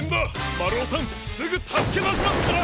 まるおさんすぐたすけだしますから！